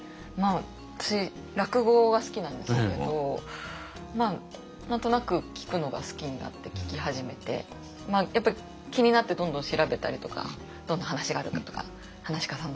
私落語が好きなんですけど何となく聴くのが好きになって聴き始めてやっぱり気になってどんどん調べたりとかどんな話があるかとか噺家さん